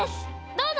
どうぞ！